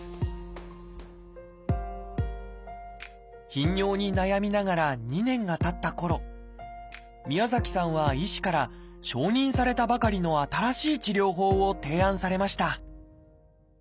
頻尿に悩みながら２年がたったころ宮崎さんは医師から承認されたばかりの新しい治療法を提案されました。